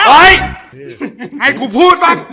เฮ้ยให้กูพูดบ้าง